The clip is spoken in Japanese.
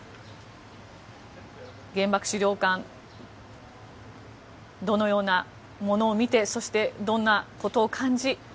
原爆資料館どのようなものを見てそして、どんなことを感じ